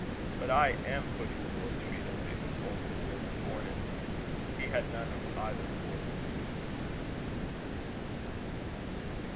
But I am putting the boy's feelings into forms and words for him. He had none of either for them.